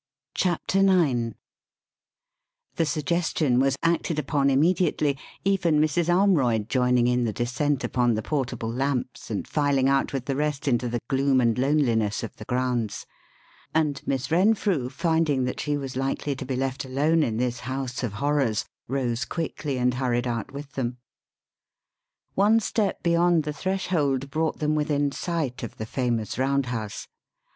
CHAPTER IX The suggestion was acted upon immediately even Mrs. Armroyd joining in the descent upon the portable lamps and filing out with the rest into the gloom and loneliness of the grounds; and Miss Renfrew, finding that she was likely to be left alone in this house of horrors, rose quickly and hurried out with them. One step beyond the threshold brought them within sight of the famous Round House.